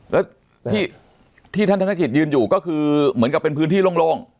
แล้วที่ท่านธนกิจยืนอยู่ก็คือเหมือนกับเป็นพื้นที่โล่ง